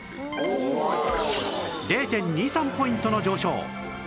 ０．２３ ポイントの上昇